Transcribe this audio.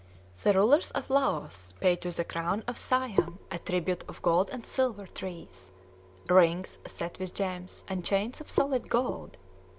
The rulers of Laos pay to the crown of Siam a tribute of gold and silver "trees," rings set with gems, and chains of solid gold.